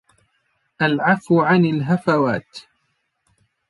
الْعَفْوُ عَنْ الْهَفَوَاتِ